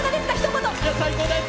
最高です！